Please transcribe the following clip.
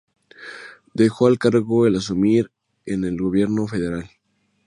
Dejó el cargo al asumir en el gobierno federal.